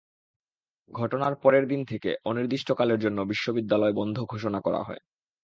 ঘটনার পরের দিন থেকে অনির্দিষ্টকালের জন্য বিশ্ববিদ্যালয় বন্ধ ঘোষণা করা হয়।